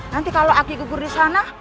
nanti kalau aki gugur di sana